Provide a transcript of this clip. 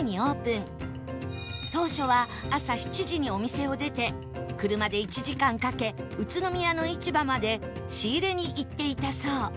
当初は朝７時にお店を出て車で１時間かけ宇都宮の市場まで仕入れに行っていたそう